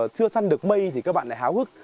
chưa săn được mây thì các bạn lại háo hức